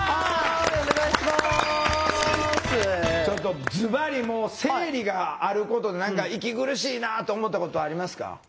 ちょっとずばりもう生理があることで何か息苦しいなと思ったことありますか？